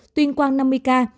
tuyên quang năm mươi ca